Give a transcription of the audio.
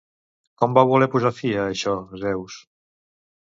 Com va voler posar fi a això Zeus?